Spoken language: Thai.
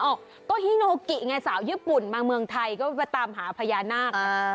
โอ้บรรยากาศฮิมาสาวญี่ปุ่นมาเมืองไทยเขาไปตามหาพยานร